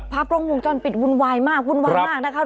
ภาพโรงโมงจรปิดวุ่นวายมากวุ่นวางมากนะคะ